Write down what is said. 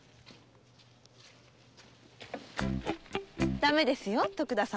ダメですよ徳田様。